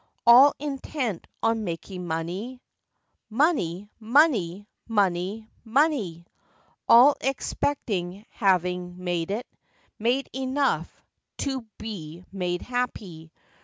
All intent on making money. Money! money! money! money! All expecting, having made it— Made enough—to be made happy